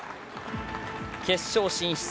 決勝進出。